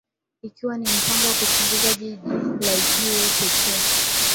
Ikiwa ni mpango wa kuchunguza Jiji la Jiwe pekee